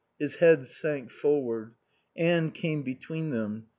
His head sank forward. Anne came between them.